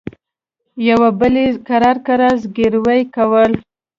يوه بل يې کرار کرار زګيروي کول.